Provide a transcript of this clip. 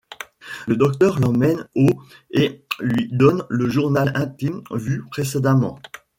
Le Docteur l'emmène au et lui donne le journal intime vu précédemment.